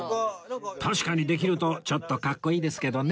確かにできるとちょっとかっこいいですけどね